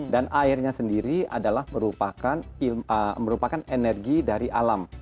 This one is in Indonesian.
dan airnya sendiri adalah merupakan energi dari alam